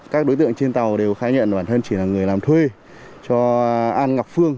các đối tượng trên tàu đều khai nhận bản thân chỉ là người làm thuê cho an ngọc phương